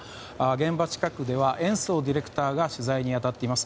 現場近くでは延増ディレクターが取材に当たっています。